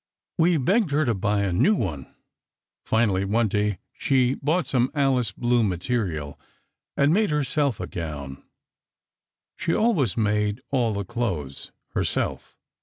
"We begged her to buy a new one. Finally, one day, she bought some Alice blue material and made herself a gown. She always made all the clothes, herself.